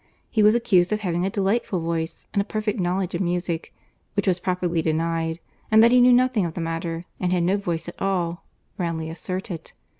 He was accused of having a delightful voice, and a perfect knowledge of music; which was properly denied; and that he knew nothing of the matter, and had no voice at all, roundly asserted.